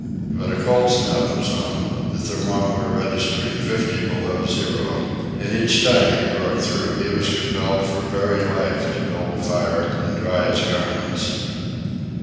But a cold snap was on, the thermometer registering fifty below zero, and each time he broke through he was compelled for very life to build a fire and dry his garments.